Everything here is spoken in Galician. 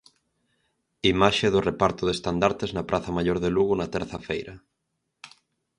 Imaxe do reparto de estandartes na praza Maior de Lugo na terza feira.